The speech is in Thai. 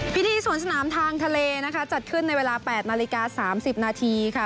พิธีสวนสนามทางทะเลนะคะจัดขึ้นในเวลา๘นาฬิกา๓๐นาทีค่ะ